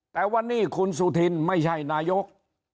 แต่วันนี้คุณสุธินไม่ใช่นายก